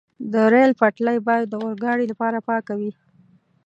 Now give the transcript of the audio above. د ریل پټلۍ باید د اورګاډي لپاره پاکه وي.